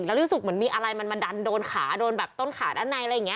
แล้วรู้สึกเหมือนมีอะไรมันมาดันโดนขาโดนแบบต้นขาด้านในอะไรอย่างนี้